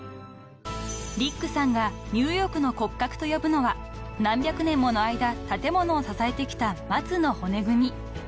［リックさんがニューヨークの骨格と呼ぶのは何百年もの間建物を支えてきた松の骨組み］